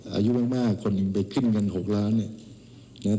อายุบางบางแค่คนขึ้นอย่าง๖ล้านบาท